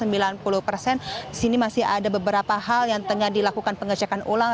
di sini masih ada beberapa hal yang tengah dilakukan pengecekan ulang